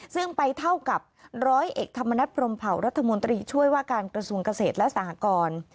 ซึ่งไปเท่ากับร้อยเอกธรรมนัฐพรมเผารัฐมนตรีช่วยว่าการกระทรวงเกษตรและสหกร